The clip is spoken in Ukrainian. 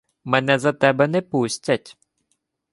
— Мене за тебе не пустять.